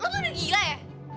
lo tuh udah gila ya